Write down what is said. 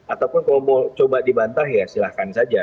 ataupun kalau mau coba dibantah ya silahkan saja